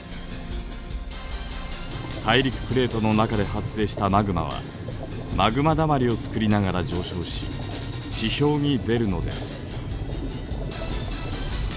大陸プレートの中で発生したマグマはマグマだまりをつくりながら上昇し地表に出るのです。